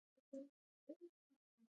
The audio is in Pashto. تاریخ د افغانستان د طبیعي پدیدو یو رنګ دی.